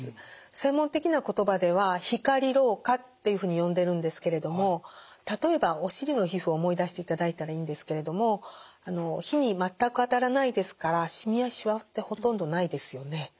専門的な言葉では光老化っていうふうに呼んでるんですけれども例えばお尻の皮膚を思い出していただいたらいいんですけれども日に全く当たらないですからしみやしわってほとんどないですよね。